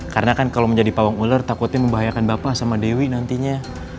karena kan kalau menjadi pawang ular takutnya membahayakan bapak sama dewi nantinya